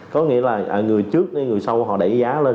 có nghĩa là người trước hay người sau họ đẩy giá lên